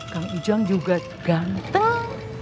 kang ujang juga ganteng